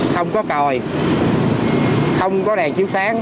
không có còi không có đèn chiếu sáng